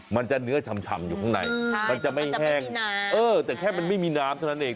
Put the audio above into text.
มันจะเนื้อฉ่ำอยู่ข้างในมันจะไม่แห้งแต่แค่มันไม่มีน้ำเท่านั้นเอง